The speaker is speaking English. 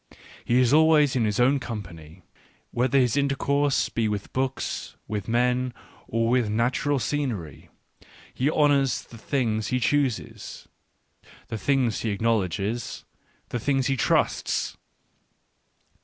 He is always in his own com pany, whether his intercourse be with books, with men, or with natural scenery; he honours the things he chooses, the things he acknowledges, the things he trusts.